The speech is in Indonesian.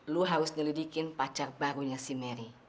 lu harus nyelidikin pacar barunya si mary